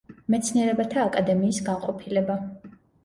მეცნიერებათა აკადემიის განყოფილება.